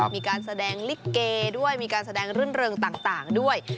มีการแสดงลิเกด้วยมีการแสดงรื่นเริงต่างด้วย